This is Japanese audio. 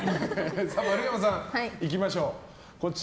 丸山さん、いきましょう。